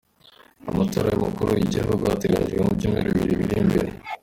Amatora y'umukuru w'igihugu ateganijwe mu byumweru bibiri biri imbere.